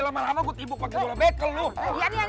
lama lama gue tibuk pake jual bekel lo